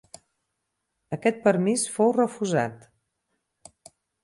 Aquest permís fou refusat.